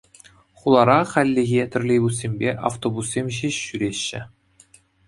Хулара хальлӗхе троллейбуссемпе автобуссем ҫеҫ ҫӳреҫҫӗ.